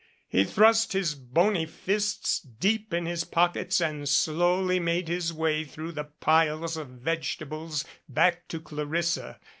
He thrust his bony fists deep in his pockets and slowly made his way through the piles of vegetables back to Clarissa.